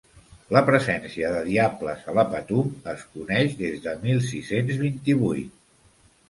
La presència de diables a la Patum es coneix des de mil sis-cents vint-i-vuit.